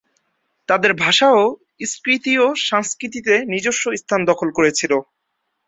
তাদের ভাষাও স্কিথীয় সংস্কৃতিতে নিজস্ব স্থান দখল করেছিল।